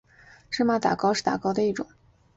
芝麻打糕是打糕的一种。